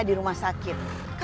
di rumah sakit